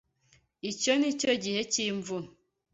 Iki nicyo gihe cyimvura.